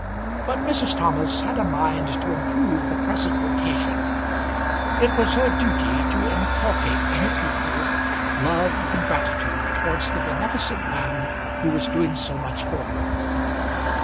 But Mrs. Thomas had a mind to improve the present occasion. It was her duty to inculcate in her pupil love and gratitude towards the beneficent man who was doing so much for her.